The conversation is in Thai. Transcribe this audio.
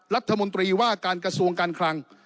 รัฐมนตรีว่าการกระทรวงการคลัง